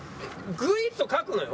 グイっとかくのよ